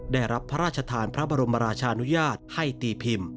ได้รับพระราชทานพระบรมราชานุญาตให้ตีพิมพ์